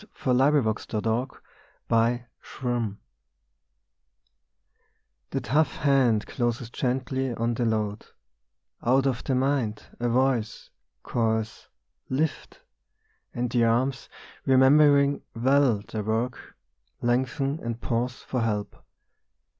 62 MAN CARRYING BALE r I ^HE tough hand closes gently on the load ; X Out of the mind, a voice Calls " Lift !" and the arms, remembering well their work, Lengthen and pause for help.